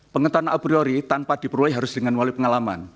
pengetahuan abriori tanpa diperoleh harus dengan wali pengalaman